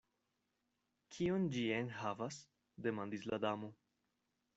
"Kion ĝi enhavas?" demandis la Damo.